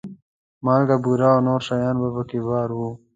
مالګه، بوره او نور شیان په کې بار وو.